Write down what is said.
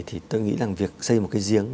thì tôi nghĩ là việc xây một cái giếng